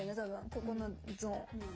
ここのゾーン。